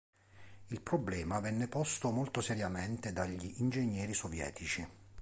Il problema venne posto molto seriamente dagli ingegneri sovietici.